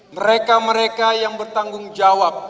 mereka mereka yang bertanggung jawab